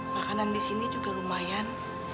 makanan di sini juga lumayan